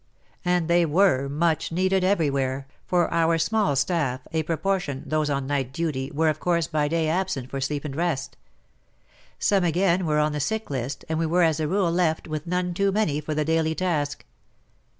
And they were much needed everywhere, for of our small staff, a proportion, those on night duty, were of course by day absent for sleep and rest. Some again were on the sick list, and we were as a rule left with none too many for the daily task.